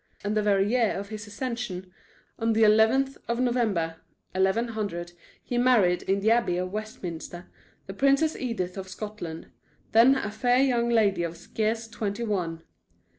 And the very year of his accession, on the 11th of November, 1100, he married, in the Abbey of Westminster, the Princess Edith of Scotland, then a fair young lady of scarce twenty one.